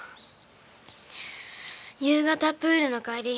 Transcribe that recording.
夕方プールの帰り